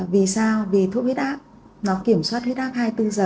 vì sao vì thuốc huyết áp mà kiểm soát huyết áp hai mươi bốn h